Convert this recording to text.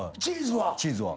チーズは。